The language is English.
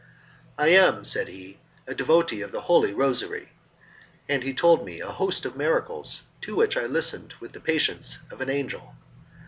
"I am," said he, "a devotee of the Holy Rosary," and he told me a host of miracles, to which I listened with the patience of an angel.